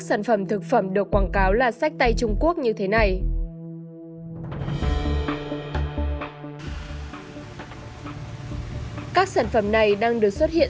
sản phẩm được quảng cáo là sách tay trung quốc như thế này các sản phẩm này đang được xuất hiện